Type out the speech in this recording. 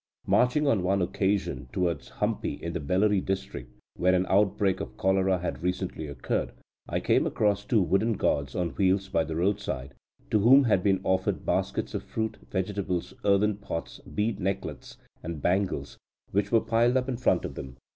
Marching on one occasion, towards Hampi in the Bellary district, where an outbreak of cholera had recently occurred, I came across two wooden gods on wheels by the roadside, to whom had been offered baskets of fruit, vegetables, earthen pots, bead necklets, and bangles, which were piled up in front of them.